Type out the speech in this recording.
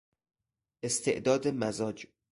استعداد مزاج